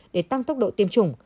để tăng tốc độ tiêm chủng